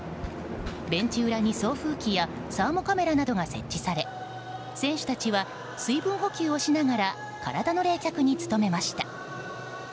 ベンチ裏に送風機やサーモカメラなどが設置され選手たちは水分補給をしながら体の冷却に努めました。